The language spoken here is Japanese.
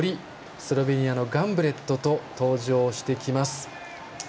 スロベニアのガンブレットと登場してきます。